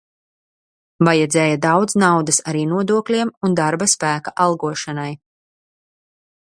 Vajadzēja daudz naudas arī nodokļiem un darba spēka algošanai.